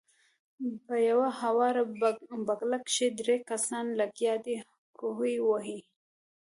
پۀ يوه هواره بګله کښې درې کسان لګيا دي کوهے وهي